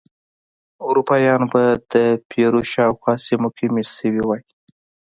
اروپایان به د پیرو شاوخوا سیمو کې مېشت شوي وای.